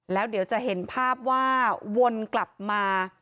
แล้วเดี๋ยวจะเห็นภาพว่าวนกลับมา